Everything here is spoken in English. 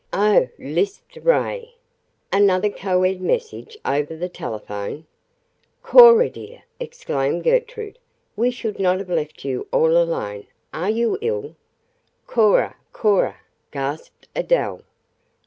"Oh," lisped Ray, "another Co Ed message over the telephone." "Cora, dear," exclaimed Gertrude, "we should not have left you all alone. Are you ill?" "Cora! Cora!" gasped Adele.